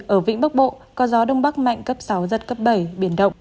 ở vĩnh bắc bộ có gió đông bắc mạnh cấp sáu giật cấp bảy biển động